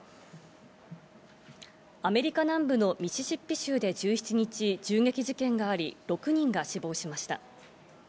アメリカ南部のミシシッピ州で１７日、銃撃事件があり、６人が死亡しました。